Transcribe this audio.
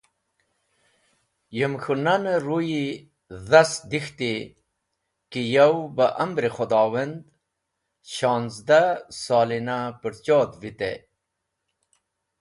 Yem k̃hũ nan ruyi dast dek̃hti ki yow beh amr-e Khũdhowand shonzdah solina pũrchodh vitey.